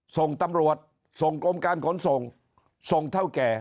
ส่งตำรวจส่งกรมการขนส่งส่งเท่าแก่